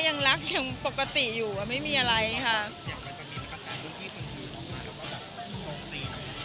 อย่างคือจะมีปกติที่คุณคุยกับตาลอยู่ก็แบบปกติ